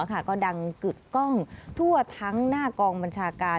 ก็ดังกึกกล้องทั่วทั้งหน้ากองบัญชาการ